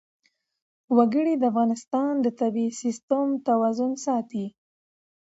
وګړي د افغانستان د طبعي سیسټم توازن ساتي.